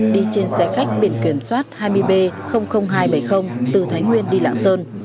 đi trên xe khách biển kiểm soát hai mươi b hai trăm bảy mươi từ thái nguyên đi lạng sơn